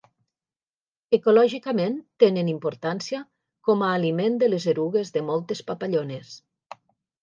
Ecològicament tenen importància com a aliment de les erugues de moltes papallones.